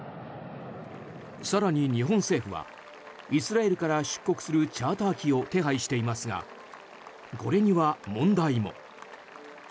更に日本政府はイスラエルから出国するチャーター機を手配していますがこれには問題も。